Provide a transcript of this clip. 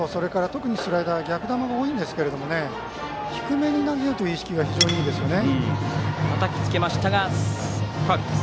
特にスライダーは逆球が多いんですけれども低めに投げるという意識が非常にいいですね。